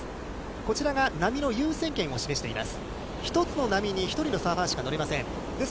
こちらが波の優先権を示しています。